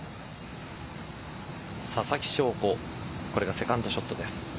ささきしょうここれがセカンドショットです。